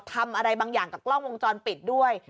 ทำอะไรบางอย่างกับกล้องวงจรปิดด้วย